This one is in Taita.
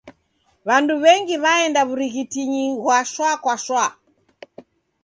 W'andu w'engi w'aenda w'urighitinyi ghwa shwa kwa shwa.